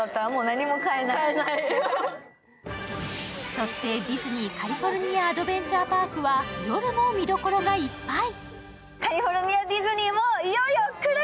そして、ディズニー・カリフォルニア・アドベンチャー・パークは夜も見どころがいっぱい。